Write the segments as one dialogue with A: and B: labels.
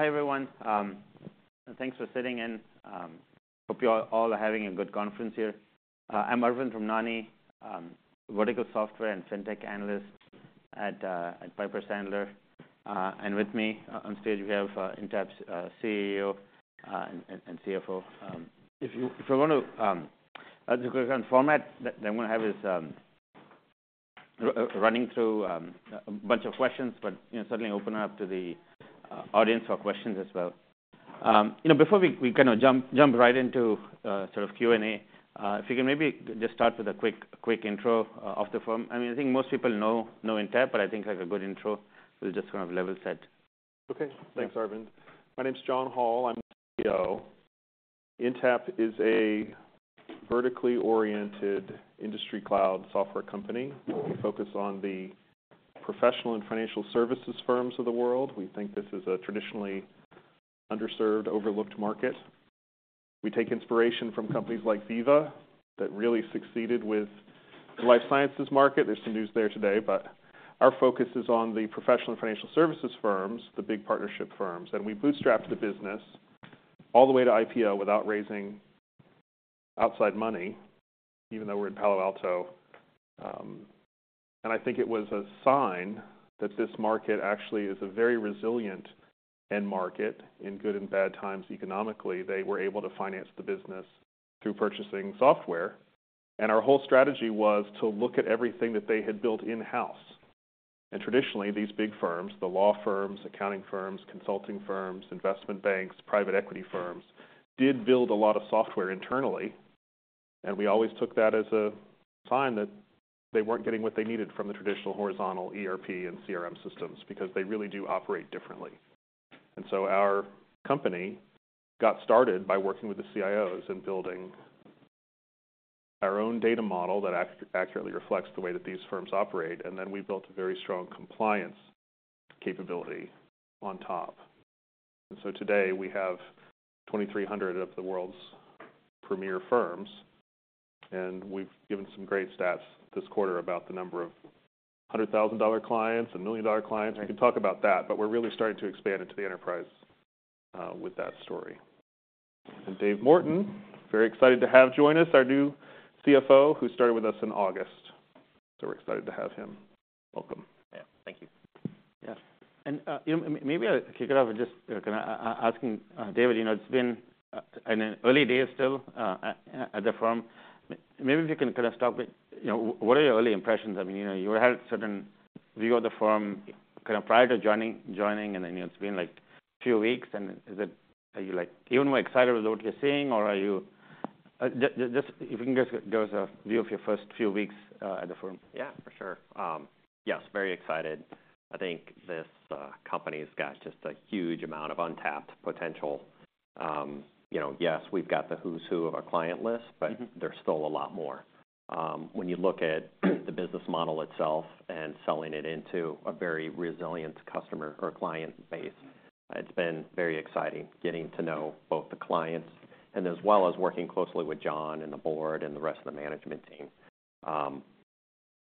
A: Hi, everyone, and thanks for sitting in. Hope you all are having a good conference here. I'm Arvind Ramnani, vertical software and fintech analyst at Piper Sandler. And with me on stage, we have Intapp's CEO and CFO. If you want to just quick on format that we're gonna have is running through a bunch of questions, but you know, certainly open up to the audience for questions as well. You know, before we kind of jump right into sort of Q&A, if you can maybe just start with a quick intro of the firm. I mean, I think most people know Intapp, but I think like a good intro will just kind of level set.
B: Okay. Thanks, Arvind. My name is John Hall. I'm the CEO. Intapp is a vertically oriented industry cloud software company. We focus on the professional and financial services firms of the world. We think this is a traditionally underserved, overlooked market. We take inspiration from companies like Veeva, that really succeeded with the life sciences market. There's some news there today, but our focus is on the professional and financial services firms, the big partnership firms. And we bootstrapped the business all the way to IPO without raising outside money, even though we're in Palo Alto. And I think it was a sign that this market actually is a very resilient end market. In good and bad times economically, they were able to finance the business through purchasing software, and our whole strategy was to look at everything that they had built in-house. Traditionally, these big firms, the law firms, accounting firms, consulting firms, investment banks, private equity firms, did build a lot of software internally, and we always took that as a sign that they weren't getting what they needed from the traditional horizontal ERP and CRM systems, because they really do operate differently. So our company got started by working with the CIOs and building our own data model that accurately reflects the way that these firms operate, and then we built a very strong compliance capability on top. So today, we have 2,300 of the world's premier firms, and we've given some great stats this quarter about the number of $100,000 clients and $1 million clients.
A: Right.
B: I can talk about that, but we're really starting to expand into the enterprise with that story. And Dave Morton, very excited to have join us, our new CFO, who started with us in August. So we're excited to have him. Welcome.
C: Yeah. Thank you.
A: Yeah. And, you know, maybe I'll kick it off with just, kinda asking, David, you know, it's been an early days still, at the firm. Maybe if you can kind of start with, you know, what are your early impressions? I mean, you know, you had a certain view of the firm, kind of prior to joining, and then it's been, like, a few weeks, and is it... Are you, like, even more excited with what you're seeing, or are you just if you can give us, give us a view of your first few weeks, at the firm?
C: Yeah, for sure. Yes, very excited. I think this company's got just a huge amount of untapped potential. You know, yes, we've got the who's who of our client list-
A: Mm-hmm.
C: But there's still a lot more. When you look at the business model itself and selling it into a very resilient customer or client base, it's been very exciting getting to know both the clients and as well as working closely with John and the board and the rest of the management team.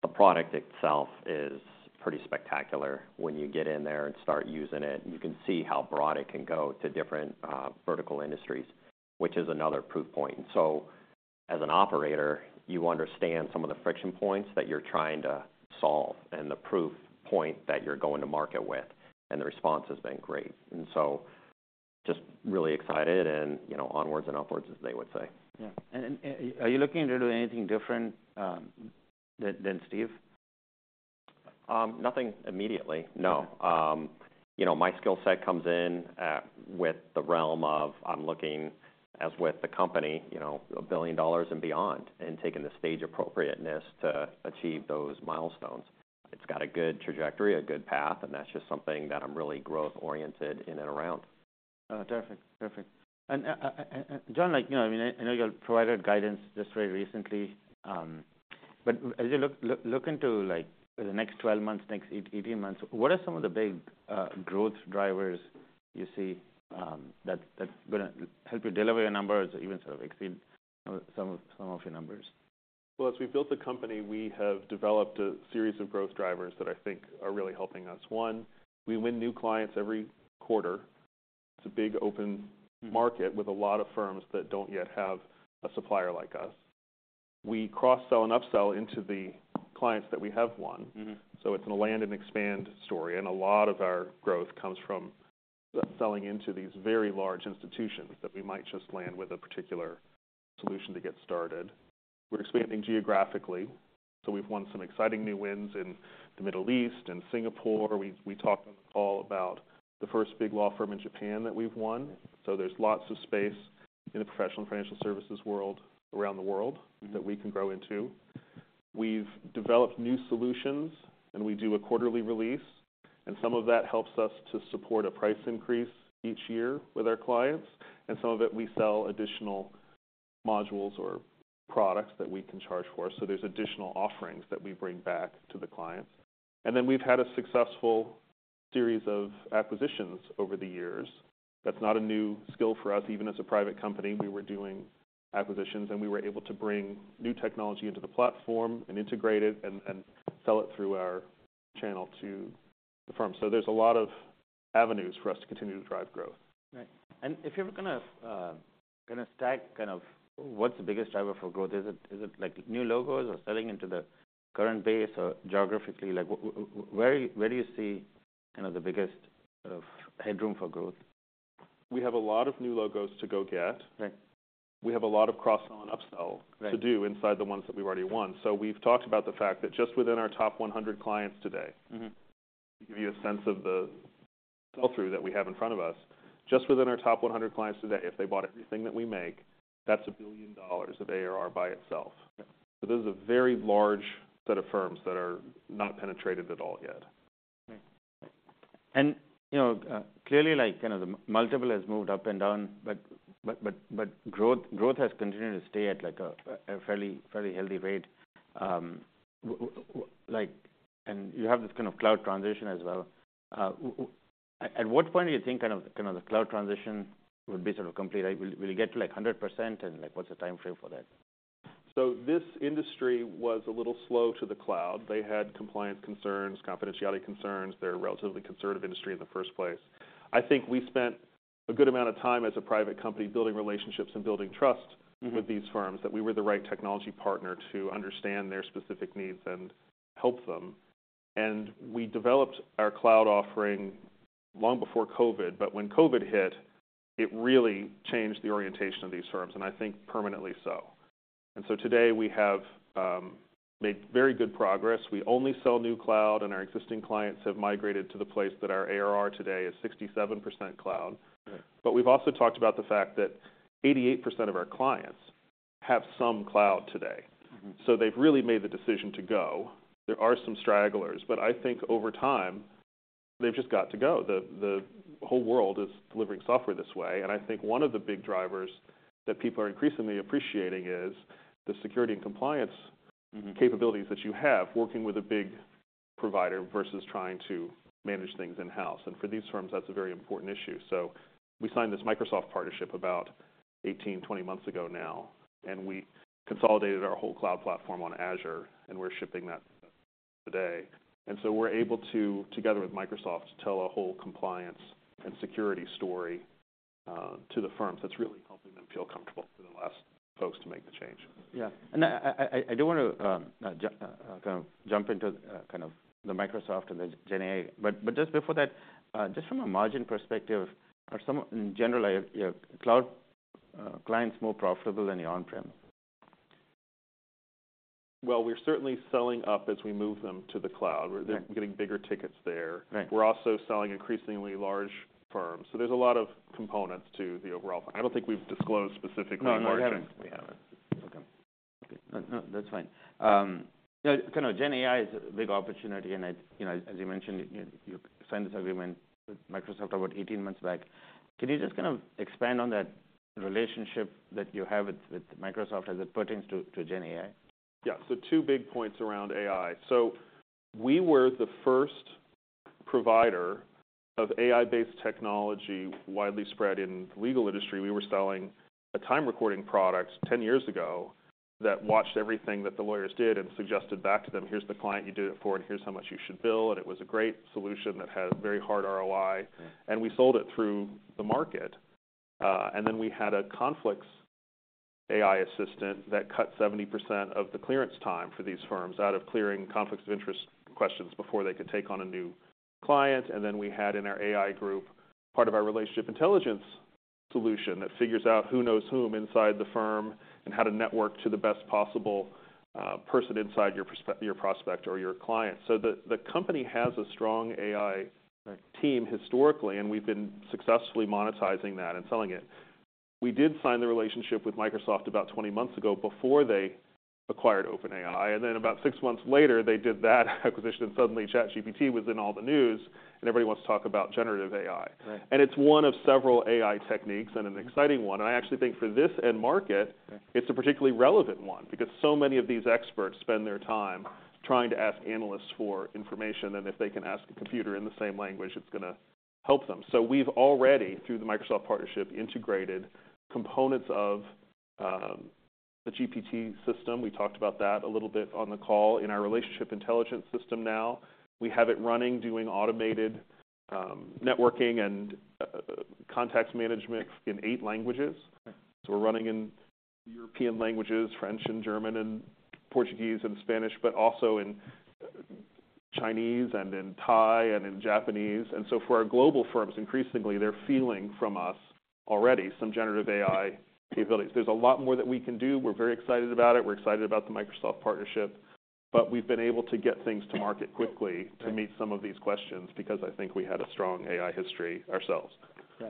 C: The product itself is pretty spectacular. When you get in there and start using it, you can see how broad it can go to different vertical industries, which is another proof point. So as an operator, you understand some of the friction points that you're trying to solve and the proof point that you're going to market with, and the response has been great. And so just really excited and, you know, onwards and upwards, as they would say.
A: Yeah. And are you looking to do anything different than Steve?
C: Nothing immediately, no.
A: Okay.
C: You know, my skill set comes in with the realm of I'm looking, as with the company, you know, $1 billion and beyond, and taking the stage appropriateness to achieve those milestones. It's got a good trajectory, a good path, and that's just something that I'm really growth-oriented in and around.
A: Perfect. Perfect. And John, like, you know, I mean, I know you provided guidance just very recently, but as you look into, like, the next 12 months, next 18 months, what are some of the big growth drivers you see, that's gonna help you deliver your numbers or even sort of exceed some of your numbers?
B: Well, as we've built the company, we have developed a series of growth drivers that I think are really helping us. One, we win new clients every quarter. It's a big open market-
A: Mm-hmm.
B: with a lot of firms that don't yet have a supplier like us. We cross-sell and upsell into the clients that we have won.
A: Mm-hmm.
B: So it's a land and expand story, and a lot of our growth comes from selling into these very large institutions that we might just land with a particular solution to get started. We're expanding geographically, so we've won some exciting new wins in the Middle East and Singapore. We talked all about the first big law firm in Japan that we've won. So there's lots of space in the professional and financial services world around the world.
A: Mm-hmm.
B: that we can grow into. We've developed new solutions, and we do a quarterly release, and some of that helps us to support a price increase each year with our clients. And some of it, we sell additional modules or products that we can charge for, so there's additional offerings that we bring back to the client. And then, we've had a successful series of acquisitions over the years. That's not a new skill for us. Even as a private company, we were doing acquisitions, and we were able to bring new technology into the platform, and integrate it, and sell it through our channel to the firm. So there's a lot of avenues for us to continue to drive growth.
A: Right. And if you're gonna stack, kind of, what's the biggest driver for growth? Is it, is it, like, new logos or selling into the current base, or geographically? Like, where do you see kind of the biggest sort of headroom for growth?
B: We have a lot of new logos to go get.
A: Right.
B: We have a lot of cross-sell and upsell-
A: Right
B: -to do inside the ones that we've already won. So we've talked about the fact that just within our top 100 clients today.
A: Mm-hmm
B: To give you a sense of the sell-through that we have in front of us, just within our top 100 clients today, if they bought everything that we make, that's $1 billion of ARR by itself.
A: Right.
B: This is a very large set of firms that are not penetrated at all yet.
A: Right. And, you know, clearly, like, kind of the multiple has moved up and down, but growth has continued to stay at, like, a fairly healthy rate. And you have this kind of cloud transition as well. At what point do you think kind of the cloud transition would be sort of complete? Will it get to, like, 100%, and, like, what's the timeframe for that?
B: So this industry was a little slow to the cloud. They had compliance concerns, confidentiality concerns. They're a relatively conservative industry in the first place. I think we spent a good amount of time as a private company building relationships and building trust-
A: Mm-hmm
B: ...with these firms, that we were the right technology partner to understand their specific needs and help them. And we developed our cloud offering long before COVID, but when COVID hit, it really changed the orientation of these firms, and I think permanently so. And so today, we have made very good progress. We only sell new cloud, and our existing clients have migrated to the place that our ARR today is 67% cloud.
A: Right.
B: But we've also talked about the fact that 88% of our clients have some cloud today.
A: Mm-hmm.
B: They've really made the decision to go. There are some stragglers, but I think over time, they've just got to go. The whole world is delivering software this way, and I think one of the big drivers that people are increasingly appreciating is the security and compliance.
A: Mm-hmm
B: ...capabilities that you have, working with a big provider versus trying to manage things in-house. For these firms, that's a very important issue. We signed this Microsoft partnership about 18-20 months ago now, and we consolidated our whole cloud platform on Azure, and we're shipping that today. And so we're able to, together with Microsoft, to tell a whole compliance and security story to the firms that's really helping them feel comfortable for the last folks to make the change.
A: Yeah. And I do want to kind of jump into kind of the Microsoft and the GenAI. But just before that, just from a margin perspective, in general, are your cloud clients more profitable than your on-prem?
B: Well, we're certainly selling up as we move them to the cloud.
A: Right.
B: We're getting bigger tickets there.
A: Right.
B: We're also selling increasingly large firms, so there's a lot of components to the overall. I don't think we've disclosed specific margin.
A: No, no, we haven't. We haven't. Okay. Okay. No, no, that's fine. You know, kind of GenAI is a big opportunity, and I—you know, as you mentioned, you signed this agreement with Microsoft about 18 months back. Can you just kind of expand on that relationship that you have with Microsoft as it pertains to GenAI?
B: Yeah. So two big points around AI. So we were the first provider of AI-based technology widely spread in the legal industry. We were selling a time recording product 10 years ago, that watched everything that the lawyers did and suggested back to them, "Here's the client you did it for, and here's how much you should bill." And it was a great solution that had very hard ROI.
A: Right.
B: And we sold it through the market. And then we had a conflicts AI assistant that cut 70% of the clearance time for these firms out of clearing conflicts of interest questions before they could take on a new client. And then we had in our AI group, part of our Relationship Intelligence solution, that figures out who knows whom inside the firm and how to network to the best possible person inside your prospect or your client. So the company has a strong AI-
A: Right
B: ...team historically, and we've been successfully monetizing that and selling it. We did sign the relationship with Microsoft about 20 months ago, before they acquired OpenAI, and then about six months later, they did that acquisition, and suddenly, ChatGPT was in all the news, and everybody wants to talk about generative AI.
A: Right.
B: And it's one of several AI techniques, and an exciting one.
A: Mm-hmm.
B: And I actually think for this end market-
A: Right
B: ...it's a particularly relevant one, because so many of these experts spend their time trying to ask analysts for information, and if they can ask a computer in the same language, it's gonna help them. So we've already, through the Microsoft partnership, integrated components of the GPT system. We talked about that a little bit on the call. In our Relationship Intelligence system now, we have it running, doing automated networking and context management in eight languages.
A: Right.
B: So we're running in European languages, French and German and Portuguese and Spanish, but also in Chinese and in Thai and in Japanese. And so for our global firms, increasingly, they're feeling from us already some generative AI capabilities. There's a lot more that we can do. We're very excited about it. We're excited about the Microsoft partnership, but we've been able to get things to market quickly-
A: Right
B: ...to meet some of these questions because I think we had a strong AI history ourselves.
A: Yeah.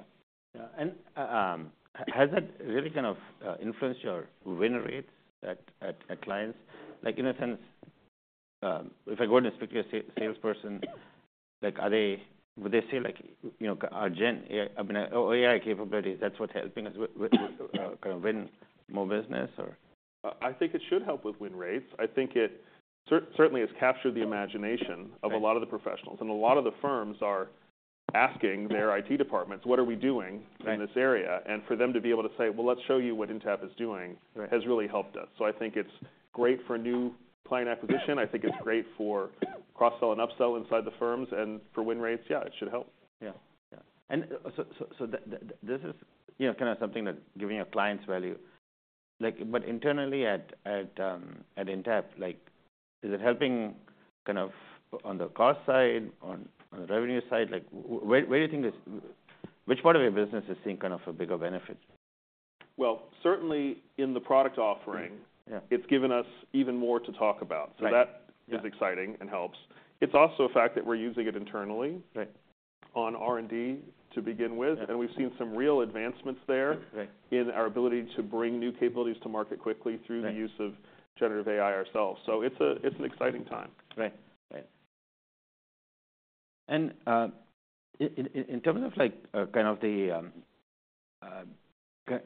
A: Yeah, and has that really kind of influenced your win rates at clients? Like, in a sense, if I go and speak to a salesperson, like, are they—would they say, like, "You know, our GenAI... I mean, our AI capabilities, that's what's helping us kind of win more business, or?...
B: I think it should help with win rates. I think it certainly has captured the imagination of a lot of the professionals, and a lot of the firms are asking their IT departments: "What are we doing in this area?
A: Right.
B: For them to be able to say, "Well, let's show you what Intapp is doing-
A: Right.
B: has really helped us. So I think it's great for new client acquisition. I think it's great for cross-sell and upsell inside the firms, and for win rates, yeah, it should help.
A: Yeah. Yeah. And so this is, you know, kind of something that's giving your clients value. Like, but internally at Intapp, like, is it helping kind of on the cost side, on the revenue side? Like, where do you think this... Which part of your business is seeing kind of a bigger benefit?
B: Well, certainly in the product offering-
A: Yeah.
B: It's given us even more to talk about.
A: Right.
B: So that is exciting and helps. It's also a fact that we're using it internally-
A: Right
B: ...on R&D to begin with, and we've seen some real advancements there-
A: Right
B: in our ability to bring new capabilities to market quickly through-
A: Right
B: -the use of Generative AI ourselves. So it's an exciting time.
A: Right. Right. And in terms of, like, kind of the key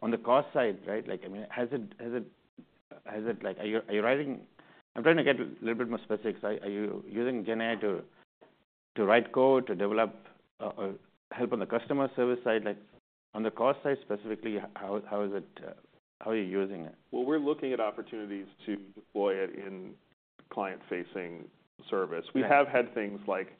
A: on the cost side, right? Like, I mean, has it like... Are you writing. I'm trying to get a little bit more specific. So are you using GenAI to write code, to develop, or help on the customer service side? Like, on the cost side, specifically, how is it, how are you using it?
B: Well, we're looking at opportunities to deploy it in client-facing service.
A: Yeah.
B: We have had things like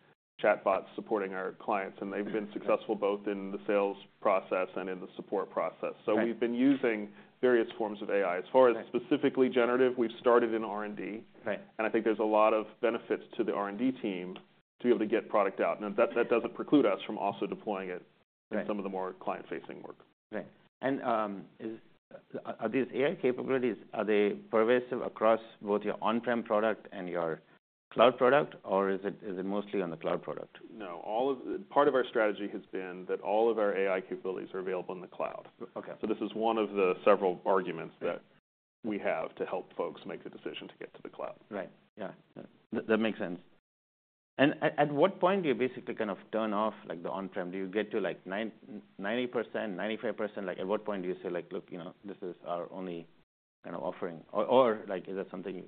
B: chatbots supporting our clients, and they've been successful both in the sales process and in the support process.
A: Right.
B: We've been using various forms of AI.
A: Right.
B: As far as specifically generative, we've started in R&D.
A: Right.
B: I think there's a lot of benefits to the R&D team to be able to get product out. Now, that doesn't preclude us from also deploying it-
A: Right
B: in some of the more client-facing work.
A: Right. And, are these AI capabilities, are they pervasive across both your on-prem product and your cloud product, or is it, is it mostly on the cloud product?
B: No, all of... Part of our strategy has been that all of our AI capabilities are available in the cloud.
A: Okay.
B: This is one of the several arguments that we have to help folks make the decision to get to the cloud.
A: Right. Yeah, yeah. That makes sense. And at, at what point do you basically kind of turn off, like, the on-prem? Do you get to, like, 90%, 95%? Like, at what point do you say, like: "Look, you know, this is our only kind of offering," or, or, like, is that something...?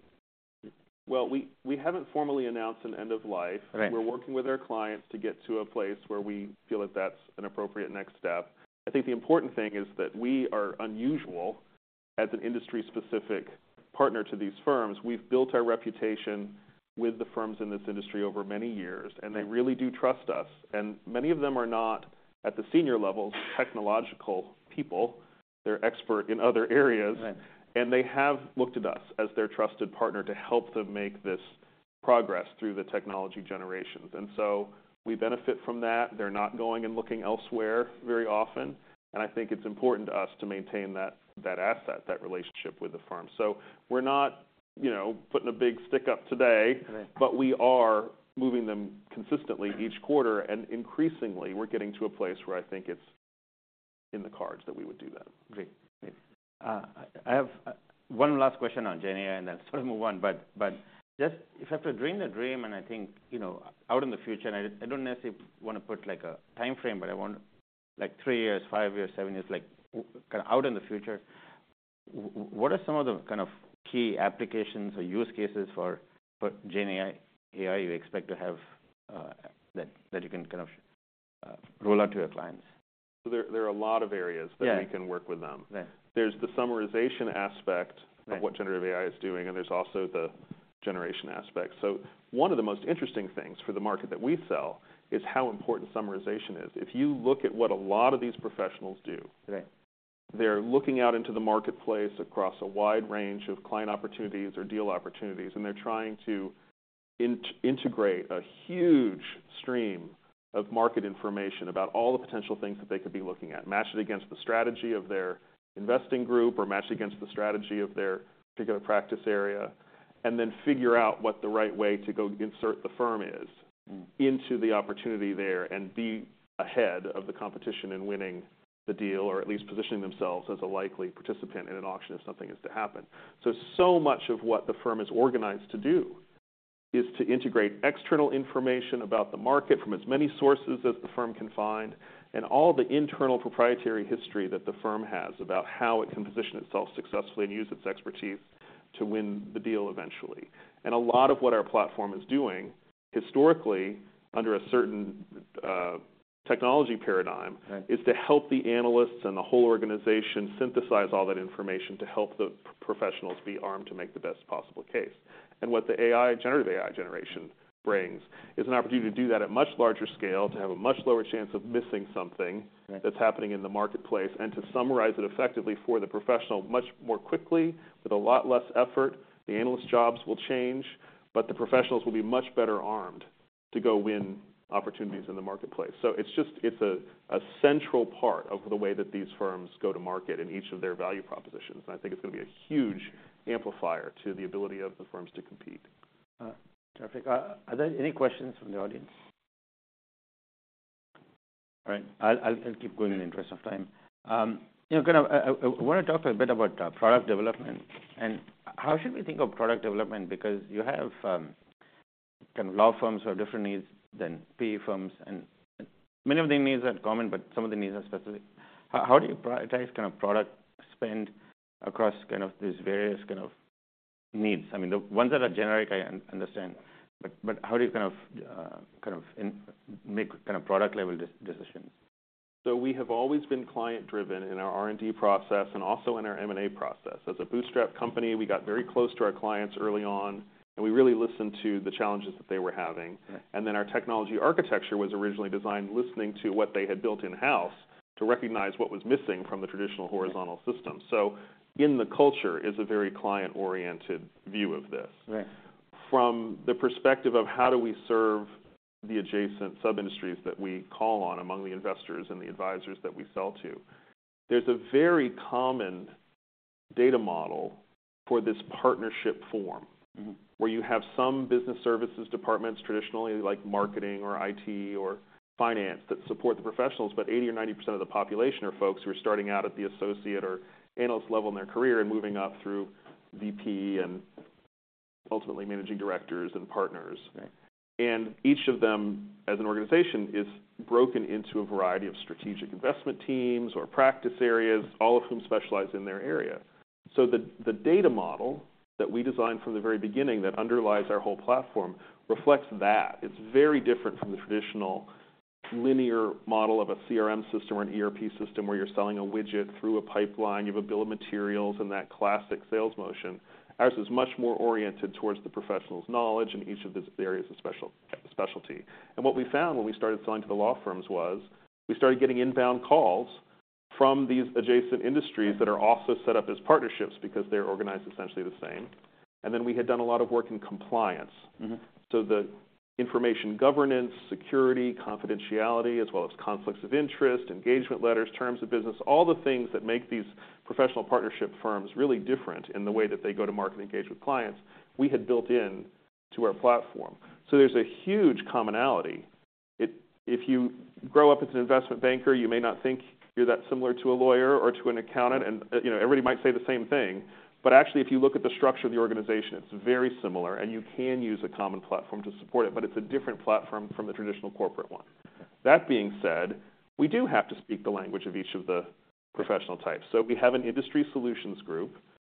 B: Well, we haven't formally announced an end of life.
A: Right.
B: We're working with our clients to get to a place where we feel that that's an appropriate next step. I think the important thing is that we are unusual as an industry-specific partner to these firms. We've built our reputation with the firms in this industry over many years, and they really do trust us. Many of them are not, at the senior levels, technological people. They're expert in other areas.
A: Right.
B: And they have looked at us as their trusted partner to help them make this progress through the technology generations. And so we benefit from that. They're not going and looking elsewhere very often, and I think it's important to us to maintain that, that asset, that relationship with the firm. So we're not, you know, putting a big stick up today-
A: Right
B: ...but we are moving them consistently each quarter, and increasingly, we're getting to a place where I think it's in the cards that we would do that.
A: Great. Great. I have one last question on GenAI, and then sort of move on. But just if I have to dream the dream, and I think, you know, out in the future, and I don't necessarily want to put, like, a time frame, but I want, like, three years, five years, seven years, like, out in the future, what are some of the kind of key applications or use cases for GenAI, AI, you expect to have, that you can kind of roll out to your clients?
B: So there are a lot of areas-
A: Yeah
B: -that we can work with them.
A: Right.
B: There's the summarization aspect-
A: Right
B: -of what generative AI is doing, and there's also the generation aspect. So one of the most interesting things for the market that we sell, is how important summarization is. If you look at what a lot of these professionals do-
A: Right
B: ...they're looking out into the marketplace across a wide range of client opportunities or deal opportunities, and they're trying to integrate a huge stream of market information about all the potential things that they could be looking at, match it against the strategy of their investing group, or match it against the strategy of their particular practice area, and then figure out what the right way to go insert the firm is-
A: Mm-hmm
B: - into the opportunity there and be ahead of the competition in winning the deal, or at least positioning themselves as a likely participant in an auction if something is to happen. So, so much of what the firm is organized to do is to integrate external information about the market from as many sources as the firm can find, and all the internal proprietary history that the firm has about how it can position itself successfully and use its expertise to win the deal eventually. And a lot of what our platform is doing, historically, under a certain technology paradigm-
A: Right
B: is to help the analysts and the whole organization synthesize all that information to help the professionals be armed to make the best possible case. And what the AI, Generative AI generation brings is an opportunity to do that at much larger scale, to have a much lower chance of missing something.
A: Right
B: that's happening in the marketplace, and to summarize it effectively for the professional much more quickly, with a lot less effort. The analysts' jobs will change, but the professionals will be much better armed to go win opportunities in the marketplace. So it's just a central part of the way that these firms go to market in each of their value propositions, and I think it's gonna be a huge amplifier to the ability of the firms to compete.
A: Terrific. Are there any questions from the audience? All right, I'll keep going in the interest of time. You know, kind of, I wanna talk a bit about product development, and how should we think of product development? Because you have kind of law firms who have different needs than PE firms, and many of the needs are common, but some of the needs are specific. How do you prioritize kind of product spend across kind of these various kind of needs? I mean, the ones that are generic, I understand, but how do you kind of kind of make kind of product-level decisions?
B: We have always been client-driven in our R&D process and also in our M&A process. As a bootstrap company, we got very close to our clients early on, and we really listened to the challenges that they were having.
A: Right.
B: Then our technology architecture was originally designed listening to what they had built in-house to recognize what was missing from the traditional horizontal system.
A: Yeah.
B: So, in the culture, is a very client-oriented view of this.
A: Right.
B: From the perspective of how do we serve the adjacent sub-industries that we call on among the investors and the advisors that we sell to, there's a very common data model for this partnership form-
A: Mm-hmm.
B: where you have some business services departments, traditionally, like marketing or IT or finance, that support the professionals, but 80% or 90% of the population are folks who are starting out at the associate or analyst level in their career and moving up through VP and ultimately, managing directors and partners.
A: Right.
B: Each of them, as an organization, is broken into a variety of strategic investment teams or practice areas, all of whom specialize in their area. So the data model that we designed from the very beginning, that underlies our whole platform, reflects that. It's very different from the traditional linear model of a CRM system or an ERP system, where you're selling a widget through a pipeline, you have a bill of materials, and that classic sales motion. Ours is much more oriented towards the professional's knowledge in each of the areas of specialty. And what we found when we started selling to the law firms was, we started getting inbound calls from these adjacent industries that are also set up as partnerships because they're organized essentially the same. And then we had done a lot of work in compliance.
A: Mm-hmm.
B: So the information governance, security, confidentiality, as well as conflicts of interest, engagement letters, terms of business, all the things that make these professional partnership firms really different in the way that they go to market and engage with clients, we had built in to our platform. So there's a huge commonality. If you grow up as an investment banker, you may not think you're that similar to a lawyer or to an accountant, and, you know, everybody might say the same thing, but actually, if you look at the structure of the organization, it's very similar, and you can use a common platform to support it, but it's a different platform from the traditional corporate one.
A: Right.
B: That being said, we do have to speak the language of each of the professional types. So we have an industry solutions group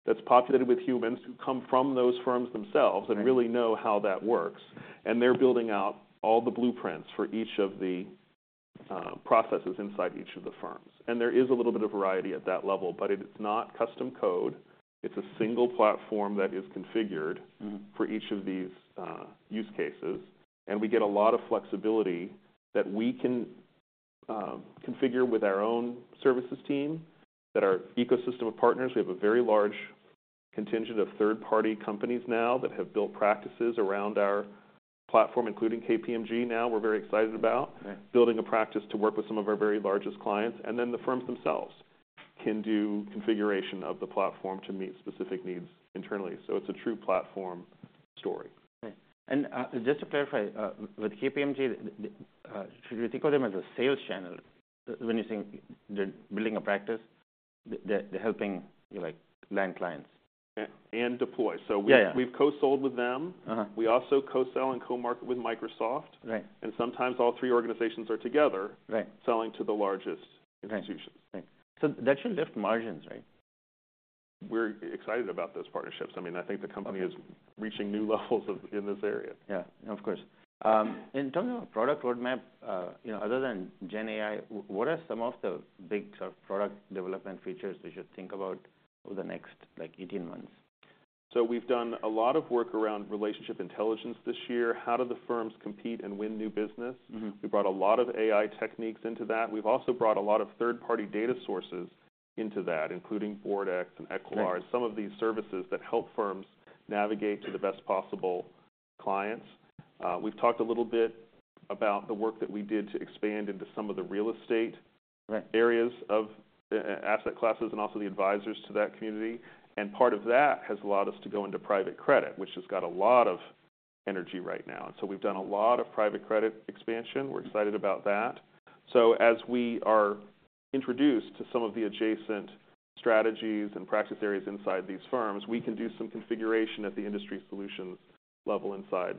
B: that's populated with humans who come from those firms themselves-
A: Right
B: -and really know how that works, and they're building out all the blueprints for each of the processes inside each of the firms. And there is a little bit of variety at that level, but it's not custom code. It's a single platform that is configured-
A: Mm-hmm
B: For each of these use cases, and we get a lot of flexibility that we can configure with our own services team, that our ecosystem of partners. We have a very large contingent of third-party companies now that have built practices around our platform, including KPMG, now we're very excited about-
A: Right
B: Building a practice to work with some of our very largest clients. And then the firms themselves can do configuration of the platform to meet specific needs internally. So it's a true platform story.
A: Right. And just to clarify, with KPMG, should we think of them as a sales channel when you think they're building a practice, they're helping you, like, land clients?
B: And deploy.
A: Yeah, yeah.
B: So we've co-sold with them.
A: Uh-huh.
B: We also co-sell and co-market with Microsoft.
A: Right.
B: And sometimes all three organizations are together-
A: Right
B: selling to the largest institutions.
A: Right. So that should lift margins, right?
B: We're excited about those partnerships. I mean, I think the company is reaching new levels in this area.
A: Yeah, of course. In terms of product roadmap, you know, other than GenAI, what are some of the big sort of product development features we should think about over the next, like, 18 months?
B: So we've done a lot of work around Relationship Intelligence this year. How do the firms compete and win new business?
A: Mm-hmm.
B: We brought a lot of AI techniques into that. We've also brought a lot of third-party data sources into that, including BoardEx and Equilar-
A: Right...
B: Some of these services that help firms navigate to the best possible clients. We've talked a little bit about the work that we did to expand into some of the real estate-
A: Right
B: Areas of asset classes and also the advisors to that community. Part of that has allowed us to go into private credit, which has got a lot of energy right now. So we've done a lot of private credit expansion. We're excited about that. As we are introduced to some of the adjacent strategies and practice areas inside these firms, we can do some configuration at the industry solutions level inside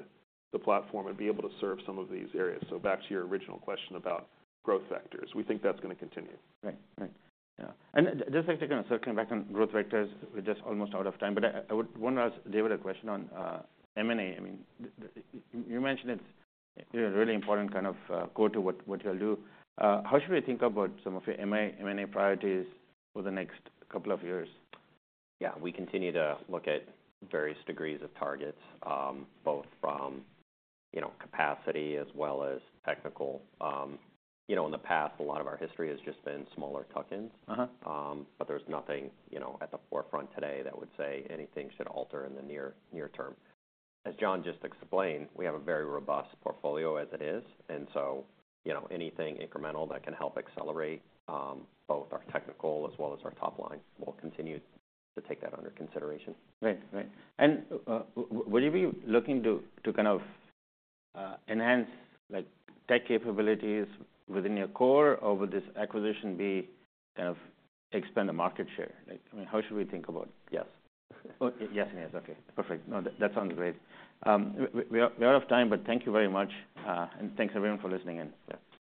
B: the platform and be able to serve some of these areas. Back to your original question about growth vectors, we think that's gonna continue.
A: Right. Right. Yeah, and just, like, circling back on growth vectors, we're just almost out of time, but I, I would want to ask David a question on M&A. I mean, you mentioned it's a really important kind of core to what, what you all do. How should we think about some of your M&A priorities for the next couple of years?
C: Yeah, we continue to look at various degrees of targets, both from, you know, capacity as well as technical. You know, in the past, a lot of our history has just been smaller tuck-ins.
A: Uh-huh.
C: But there's nothing, you know, at the forefront today that would say anything should alter in the near term. As John just explained, we have a very robust portfolio as it is, and so, you know, anything incremental that can help accelerate both our technical as well as our top line, we'll continue to take that under consideration.
A: Right. Right. And would you be looking to kind of enhance, like, tech capabilities within your core, or would this acquisition be kind of expand the market share? Like, I mean, how should we think about?
C: Yes.
A: Oh, yes, it is. Okay, perfect. No, that sounds great. We are, we are out of time, but thank you very much, and thanks, everyone, for listening in. Yeah.